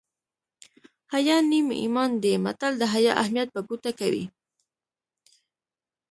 حیا نیم ایمان دی متل د حیا اهمیت په ګوته کوي